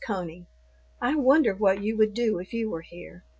CONEY, I wonder what you would do if you were here.